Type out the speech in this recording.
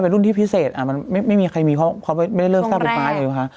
เป็นรุ่นที่พิเศษมันไม่มีใครมีเพราะเขาไม่ได้เลิกสร้างไฟฟ้าเลยป่ะคะ